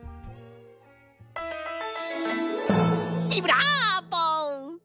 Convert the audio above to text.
ビブラーボ！